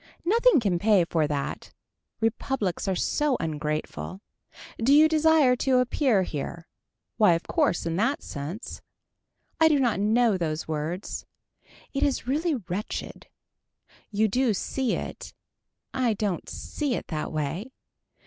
Nothing can pay for that. Republics are so ungrateful. Do you desire to appear here. Why of course in that sense. I do not know those words. It is really wretched. You do see it. I don't see it that way.